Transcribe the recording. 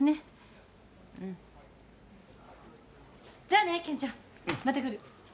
じゃあね健ちゃん。また来る。